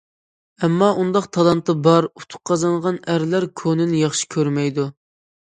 ئەمما، ئۇنداق تالانتى بار، ئۇتۇق قازانغان ئەرلەر كونىنى ياخشى كۆرمەيدۇ.